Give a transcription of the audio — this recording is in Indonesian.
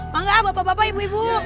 bangga bapak bapak ibu ibu